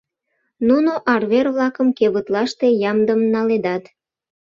Нуно арвер-влакым кевытлаште ямдым наледат.